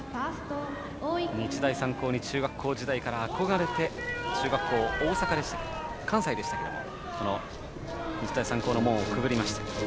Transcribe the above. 日大三高に中学校時代から憧れて中学校は関西でしたがこの日大三高の門をくぐりました寒川。